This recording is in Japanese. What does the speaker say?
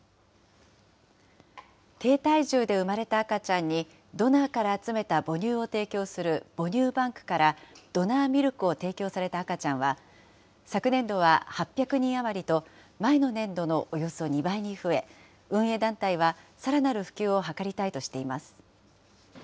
低体重で産まれた赤ちゃんにドナーから集めた母乳を提供する母乳バンクからドナーミルクを提供された赤ちゃんは、昨年度は８００人余りと、前の年度のおよそ２倍に増え、運営団体はさらなる普及を図りたいとしています。